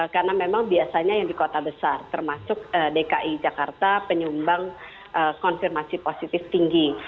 karena memang biasanya yang di kota besar termasuk dki jakarta penyumbang konfirmasi positif tinggi